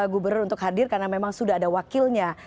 gubernur untuk hadir karena memang sudah ada wakilnya